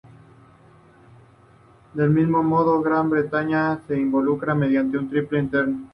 Del mismo modo, Gran Bretaña se involucra mediante la Triple Entente.